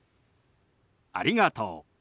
「ありがとう」。